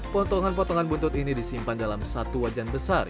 potongan potongan buntut ini disimpan dalam satu wajan besar